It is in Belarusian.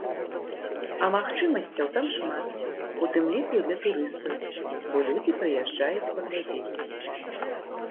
А магчымасцяў там шмат, у тым ліку і для турыстаў, бо людзі прыязджаюць паглядзець.